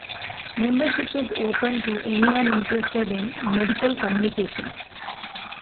Membership is open to anyone interested in medical communications.